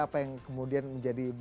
apa yang kemudian menjadi